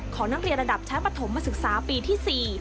ขอนักเรียนระดับชาติประถมมาศึกษาปีที่๔